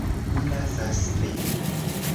Mi lasas vin.